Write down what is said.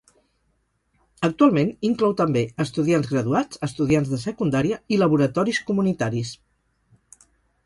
Actualment inclou també estudiants graduats, estudiants de secundària i laboratoris comunitaris.